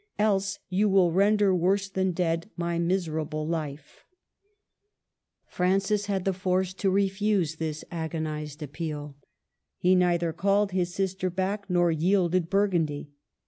Else you will render worse than dead my miserable life. THE CAPTIVITY, 109 Francis had the force to refuse this agonized appeal. He neither called his sister back nor yielded Burgundy.